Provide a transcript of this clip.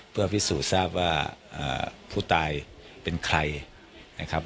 เพื่อพิสูจน์ทราบว่าผู้ตายเป็นใครนะครับ